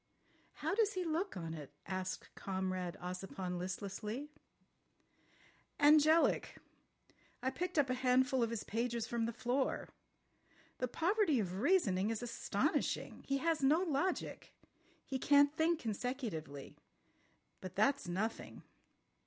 "How does he look on it?" asked Comrade Ossipon listlessly. "Angelic. ... I picked up a handful of his pages from the floor. The poverty of reasoning is astonishing. He has no logic. He can't think consecutively. But that's nothing.